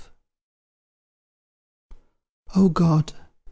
O God!